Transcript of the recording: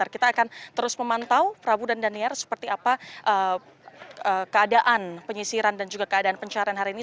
kita akan terus memantau prabu dan daniar seperti apa keadaan penyisiran dan juga keadaan pencarian hari ini